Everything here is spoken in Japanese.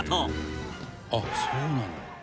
「あっそうなの？」